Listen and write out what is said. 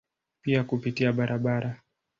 Pia kupitia barabara.